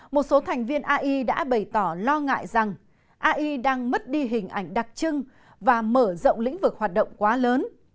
một số thành viên ai đã bày tỏ lo ngại rằng ai đang mất đi hình ảnh đặc trưng và mở rộng lĩnh vực hoạt động quá lớn